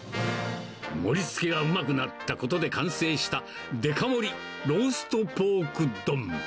盛りつけがうまくなったことで完成したデカ盛りローストポーク丼。